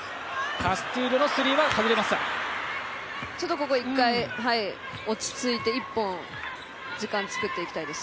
ここ１回、落ち着いて、１本、時間作っていきたいです。